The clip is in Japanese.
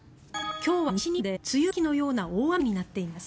今日は西日本で梅雨末期のような大雨になっています。